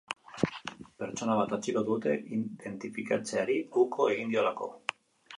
Pertsona bat atxilotu dute, identifikatzeari uko egin diolako.